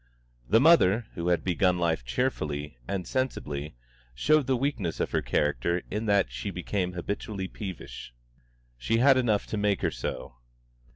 The mother, who had begun life cheerfully and sensibly, showed the weakness of her character in that she became habitually peevish. She had enough to make her so.